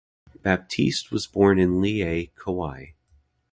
Baptiste was born in Lihue, Kauai.